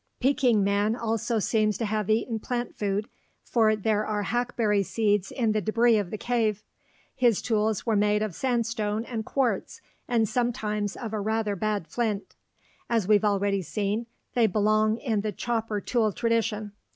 Peking man also seems to have eaten plant food, for there are hackberry seeds in the debris of the cave. His tools were made of sandstone and quartz and sometimes of a rather bad flint. As we've already seen, they belong in the chopper tool tradition.